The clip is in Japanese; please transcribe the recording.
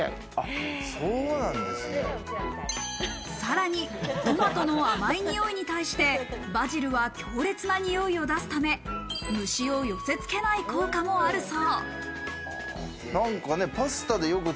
さらにトマトの甘いにおいに対して、バジルは強烈なにおいを出すため、虫を寄せ付けない効果もあるそう。